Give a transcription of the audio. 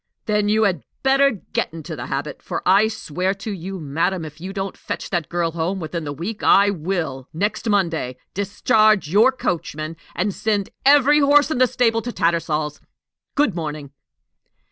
"Then you had better get into the habit; for I swear to you, madam, if you don't fetch that girl home within the week, I will, next Monday, discharge your coachman, and send every horse in the stable to Tattersall's! Good morning."